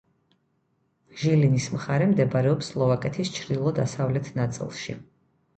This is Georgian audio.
ჟილინის მხარე მდებარეობს სლოვაკეთის ჩრდილო-დასავლეთ ნაწილში.